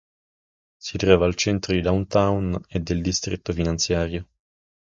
Si trova al centro di "downtown" e del distretto finanziario.